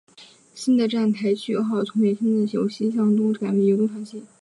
新的站台序号从原先的由西向东改为由东向西。